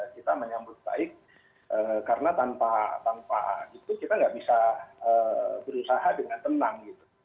kita menyambut baik karena tanpa itu kita nggak bisa berusaha dengan tenang